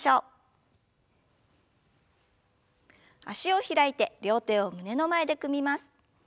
脚を開いて両手を胸の前で組みます。